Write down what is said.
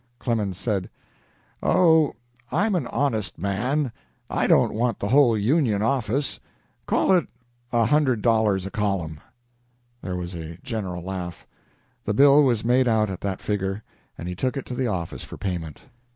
Clemens said: "Oh, I'm a modest man; I don't want the whole 'Union' office; call it a hundred dollars a column." There was a general laugh. The bill was made out at that figure, and he took it to the office for payment.